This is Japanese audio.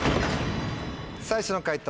最初の解答